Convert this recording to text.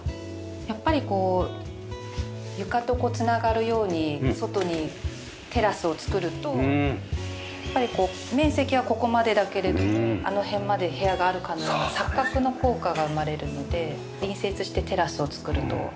やっぱりこう床と繋がるように外にテラスを作るとやっぱりこう面積はここまでだけれどもあの辺まで部屋があるかのような錯覚の効果が生まれるので隣接してテラスを作ると広く感じます。